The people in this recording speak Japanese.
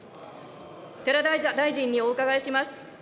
寺田大臣にお伺いします。